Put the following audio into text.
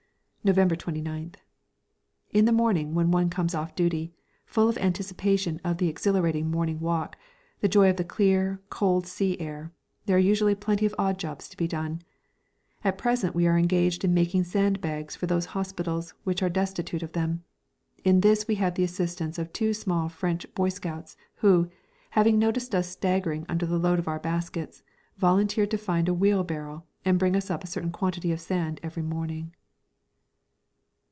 November 29th. In the morning when one comes off duty, full of anticipation of the exhilarating morning walk, the joy of the clear, cold sea air, there are usually plenty of odd jobs to be done. At present we are engaged in making sandbags for those hospitals which are destitute of them. In this we have the assistance of two small French Boy Scouts who, having noticed us staggering under the load of our baskets, volunteered to find a wheelbarrow and bring us up a certain quantity of sand every morning.